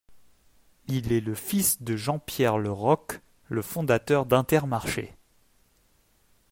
Il est le fils de Jean-Pierre Le Roch, le fondateur d'Intermarché.